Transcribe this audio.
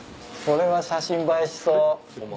これは写真映えしそう。